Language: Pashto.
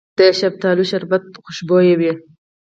د شفتالو شربت خوشبويه وي.